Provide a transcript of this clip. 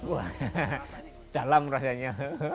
wah dalam rasanya